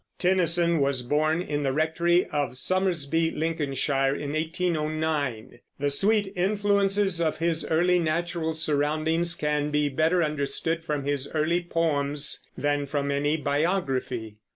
Tennyson was born in the rectory of Somersby, Lincolnshire, in 1809. The sweet influences of his early natural surroundings can be better understood from his early poems than from any biography.